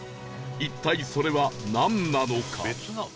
一体それはなんなのか？